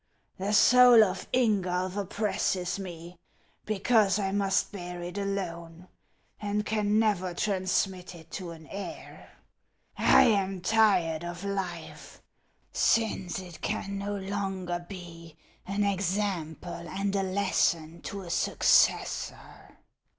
The soul of Ingulf oppresses me, because I must IIAJHS OF ICELAND. 479 bear it alone, and can never transmit it to an heir. I a in tired of life, since it can no longer be an example and a lesson to a successor.